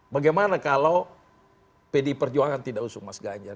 bagaimana kalau pdi perjuangan tidak usung mas ganjar